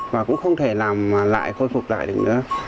và cũng không thể làm lại khôi phục lại được nữa